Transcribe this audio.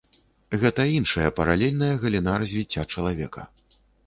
Гэта іншая паралельная галіна развіцця чалавека.